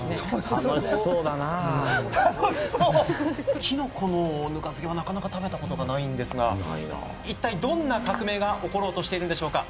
楽しそうだな楽しそうキノコのぬか漬けはなかなか食べたことがないんですがいったいどんな革命が起ころうとしているんでしょうか？